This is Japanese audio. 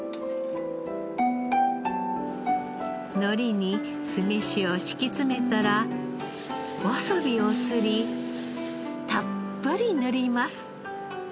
のりに酢飯を敷き詰めたらワサビを擦りたっぷり塗ります。